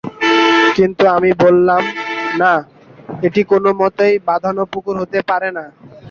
কিন্তু আমি বললাম, না, এটি কোনোমতেই বাঁধানো পুকুর হতে পারে না।